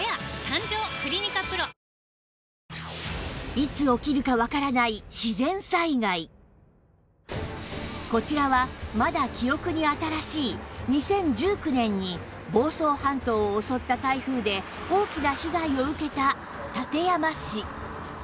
いつ起きるかわからないこちらはまだ記憶に新しい２０１９年に房総半島を襲った台風で大きな被害を受けた館山市